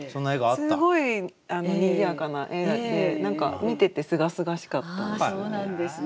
すごいにぎやかな絵で何か見ててすがすがしかったんですよね。